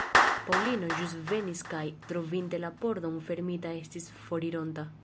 Paŭlino ĵus venis kaj, trovinte la pordon fermita, estis forironta.